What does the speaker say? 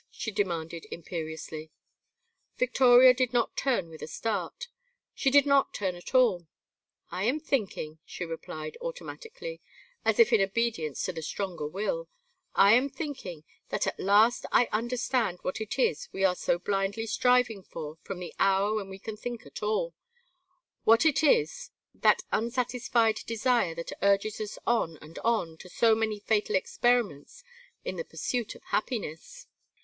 she demanded, imperiously. Victoria did not turn with a start. She did not turn at all. "I am thinking," she replied, automatically, as if in obedience to the stronger will "I am thinking that at last I understand what it is we are so blindly striving for from the hour when we can think at all; what it is that unsatisfied desire that urges us on and on to so many fatal experiments in the pursuit of happiness.